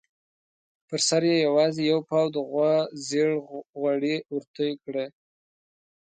پر سر یې یوازې یو پاو د غوا زېړ غوړي ورتوی کړي.